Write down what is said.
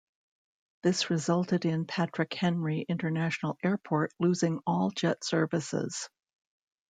This resulted in Patrick Henry International Airport losing all jet services.